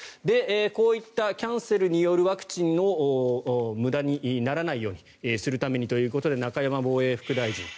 こういったキャンセルによるワクチンを無駄にならないようにするためにということで中山防衛副大臣